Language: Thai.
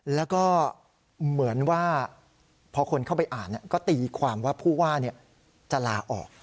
แล้วก็เหมือนว่าพอคนเข้าไปอ่านก็ตีความว่าผู้ว่าจะลาออก